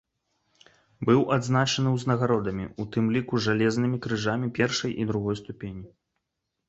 Быў адзначаны ўзнагародамі, у тым ліку жалезнымі крыжамі першай і другой ступені.